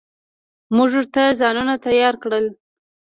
موږ ورته ځانونه تيار کړل.